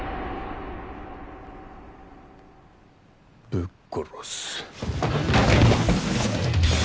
ぶっ殺す。